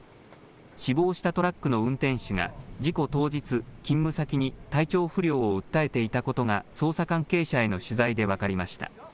死亡したトラックの運転手が事故当日、勤務先に体調不良を訴えていたことが捜査関係者への取材で分かりました。